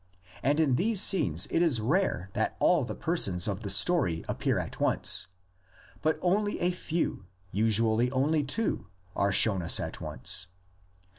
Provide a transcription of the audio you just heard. And in these scenes it is rare that all the persons of the story appear at once, but only a few, usually only two, are shown us at once.